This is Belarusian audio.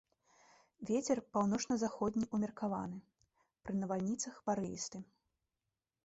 Вецер паўночна-заходні ўмеркаваны, пры навальніцах парывісты.